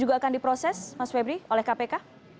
jadi apa yang akan diproses mas febri oleh kpk